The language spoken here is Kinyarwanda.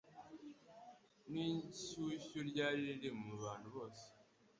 n'ishyushyu ryari riri mu bantu bose.